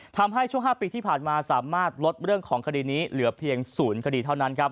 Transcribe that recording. ทำให้ช่วง๕ปีที่ผ่านมาสามารถลดเรื่องของคดีนี้เหลือเพียง๐คดีเท่านั้นครับ